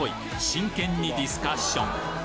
真剣にディスカッション！